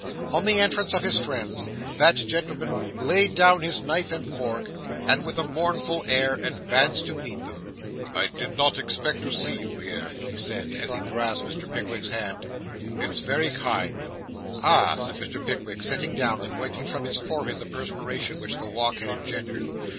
On the entrance of his friends, that gentleman laid down his knife and fork, and with a mournful air advanced to meet them. 'I did not expect to see you here,' he said, as he grasped Mr. Pickwick's hand. 'It's very kind.' 'Ah!' said Mr. Pickwick, sitting down, and wiping from his forehead the perspiration which the walk had engendered.